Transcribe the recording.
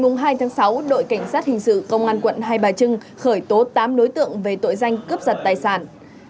ngày hai tháng sáu đội cảnh sát hình sự công an quận hai bà trưng khởi tố tám đối tượng về tội danh cướp giật tài sản